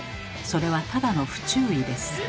それはただの不注意です。